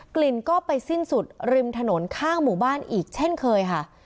กลิ่นก็ไปสิ้นสุดริมถนนข้างหมู่บ้านอีกเช่นเคยค่ะ